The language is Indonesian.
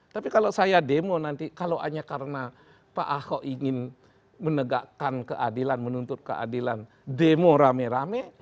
tapi kalau saya demo nanti kalau hanya karena pak ahok ingin menegakkan keadilan menuntut keadilan demo rame rame